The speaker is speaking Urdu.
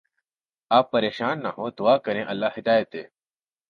آپ پریشان نہ ہوں دعا کریں اللہ ہدایت دے